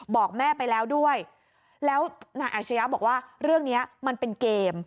บอกแม่ไปแล้วด้วยแล้วนายอาชญะบอกว่าเรื่องนี้มันเป็นเกม